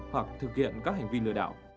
hoặc thực hiện các hành vi lừa đảo